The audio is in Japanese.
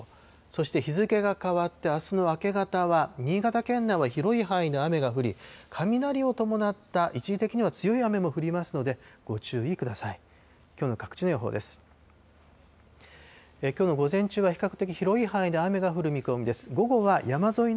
そして日付が変わってあすの明け方は新潟県内は広い範囲で雨が降り、雷を伴った一時的には強い雨も降りますので、ご注意ください。